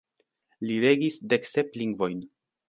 Li regis deksep lingvojn.